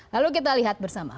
lalu kita lihat bersama